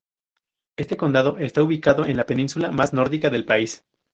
Este condado está ubicado en la península más nórdica del país.